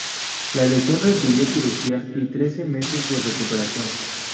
La lesión requirió cirugía y trece meses de recuperación.